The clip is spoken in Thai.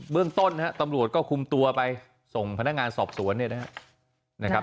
เบื้องต้นตำรวจก็คุมตัวไปส่งพนักงานสอบสวนนะครับ